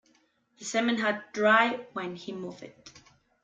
The cement had dried when he moved it.